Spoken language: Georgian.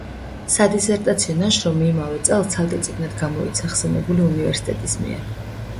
სადისერტაციო ნაშრომი იმავე წელს ცალკე წიგნად გამოიცა ხსენებული უნივერსიტეტის მიერ.